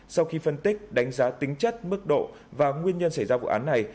sau khi phân tích đánh giá tính chất mức độ và nguyên nhân xảy ra vụ án này